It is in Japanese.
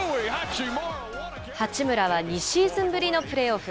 八村は２シーズンぶりのプレーオフ。